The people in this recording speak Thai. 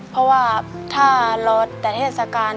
เพราะว่าถ้ารอแต่เทศกาล